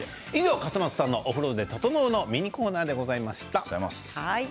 笠松さんのお風呂で整うのミニコーナーでございました。